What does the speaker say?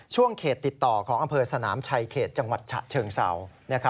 เขตติดต่อของอำเภอสนามชัยเขตจังหวัดฉะเชิงเศร้า